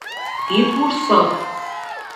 Ит вурсо!